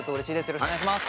よろしくお願いします。